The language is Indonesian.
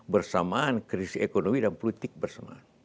bersamaan krisis ekonomi dan politik bersama